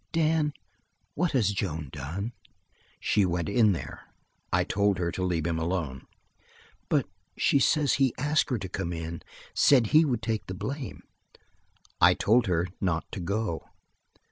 Dan, what has Joan done?" "She went in there. I told her to leave him alone." "But she says he asked her to come in said he would take the blame." "I told her not to go."